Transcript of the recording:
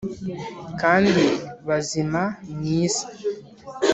kandi bazīma mu isi.